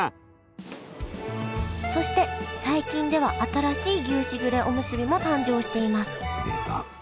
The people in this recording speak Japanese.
そして最近では新しい牛しぐれおむすびも誕生しています出た。